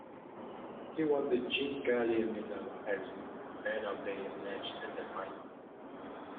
He won the Jean Galia Medal as man of the match in the final.